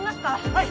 はい！